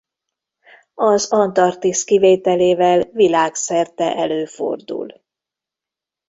Az Antarktisz kivételével világszerte előfordul.